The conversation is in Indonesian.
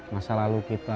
masa lalu kita pendam